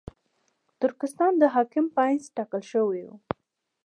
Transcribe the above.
ترکستان د حاکم په حیث ټاکل شوی وو.